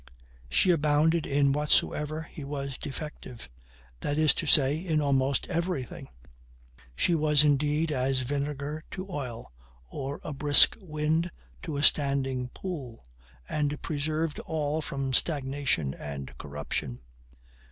She abounded in whatsoever he was defective; that is to say, in almost everything. She was indeed as vinegar to oil, or a brisk wind to a standing pool, and preserved all from stagnation and corruption.